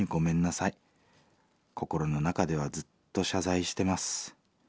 心の中ではずっと謝罪してます。